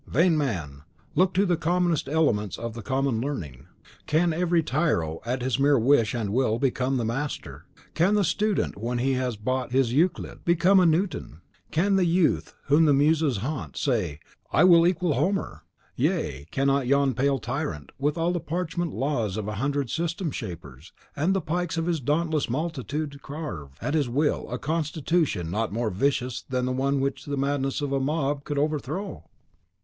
Vain man! look to the commonest elements of the common learning. Can every tyro at his mere wish and will become the master; can the student, when he has bought his Euclid, become a Newton; can the youth whom the Muses haunt, say, 'I will equal Homer;' yea, can yon pale tyrant, with all the parchment laws of a hundred system shapers, and the pikes of his dauntless multitude, carve, at his will, a constitution not more vicious than the one which the madness of a mob could overthrow?